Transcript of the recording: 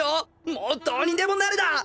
もうどうにでもなれだっ！